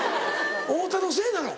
太田のせいなの？